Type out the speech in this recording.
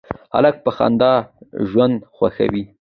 هلک په خندا ژوند خوښوي.